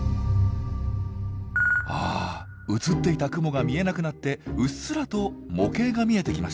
あ映っていた雲が見えなくなってうっすらと模型が見えてきました。